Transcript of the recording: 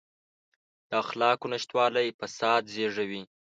د اخلاقو نشتوالی فساد زېږوي.